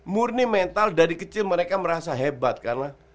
murni mental dari kecil mereka merasa hebat karena